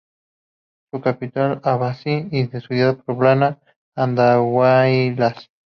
Su capital es Abancay y su ciudad más poblada, Andahuaylas.